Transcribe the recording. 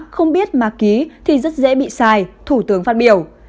không biết mà ký thì rất dễ bị sai thủ tướng phát biểu